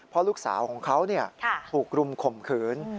เพราะลูกสาวของเขาถูกรุมข่มขืน